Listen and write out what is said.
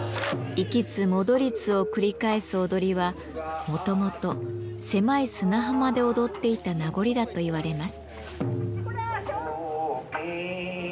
行きつ戻りつを繰り返す踊りはもともと狭い砂浜で踊っていた名残だといわれます。